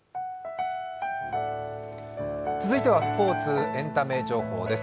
続いてはスポーツエンタメ情報です。